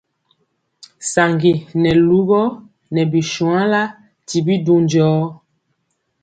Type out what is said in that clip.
Saŋgi nɛ lugɔ nɛ bi shuanla ti bi du njɔɔ.